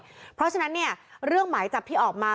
เพราะฉะนั้นเนี่ยเรื่องหมายจับที่ออกมา